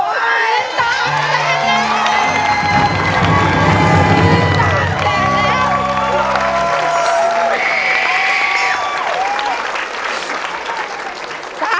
๓แสนเงินกู